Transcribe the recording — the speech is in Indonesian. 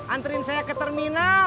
anterin saya ke terminal